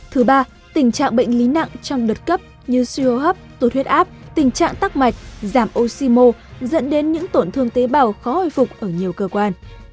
thứ ba tình trạng bệnh lý nặng trong đợt cấp như suy hô hấp tụt huyết áp tình trạng tắc mạch giảm oxymo dẫn đến những tổn thương tế bào khó hồi phục ở nhiều cơ quan